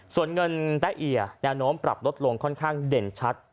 ส่วนเงินแต๊เอียแนวโน้มปรับลดลงค่อนข้างเด่นชัด